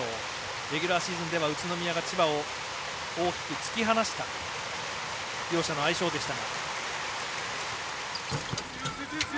レギュラーシーズンでは宇都宮が千葉を大きく突き放した両者の相性でした。